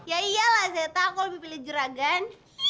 ya iyalah zeta aku lebih pilih jeragan